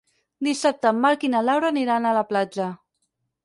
Dissabte en Marc i na Laura aniran a la platja.